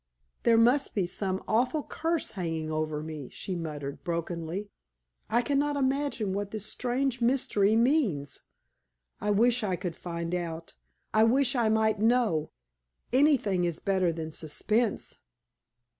"There must be some awful curse hanging over me!" she murmured, brokenly. "I can not imagine what this strange mystery means. I wish I could find out. I wish I might know. Anything is better than suspense!"